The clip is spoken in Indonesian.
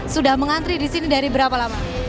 sudah mengantri di sini dari berapa lama